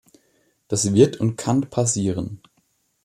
Das wird und kann passieren.